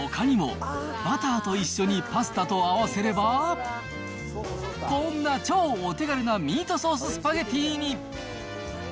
ほかにも、バターと一緒にパスタと合わせれば、こんな超お手軽なミートソーススパゲティに。